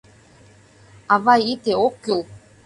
— Авай, ите, ок кӱл!..